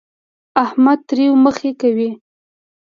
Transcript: احمد تريو مخی کوي.